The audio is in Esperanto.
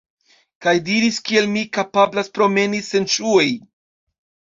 Kaj diris kiel mi kapablas promeni sen ŝuoj